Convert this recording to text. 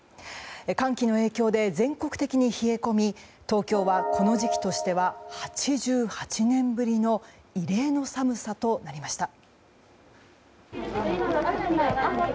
寒気の影響で全国的に冷え込み東京は、この時期としては８８年ぶりの異例の寒さとなりました。